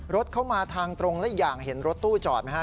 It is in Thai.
รถเข้ามาทางตรงและอีกอย่างเห็นรถตู้จอดไหมฮะ